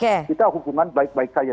itu adalah hubungan baik baik saja